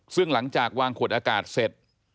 ซึ่งหลังจากวางขวดอากาศเสร็จ